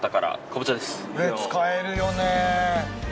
それ使えるよね。